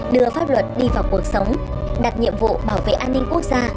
đưa pháp luật đi vào cuộc sống đặt nhiệm vụ bảo vệ an ninh quốc gia